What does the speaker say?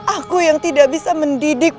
aku yang tidak bisa mendidik